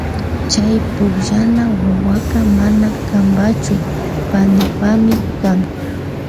Chay pukllana wawaka mana kanpachu panipami kan.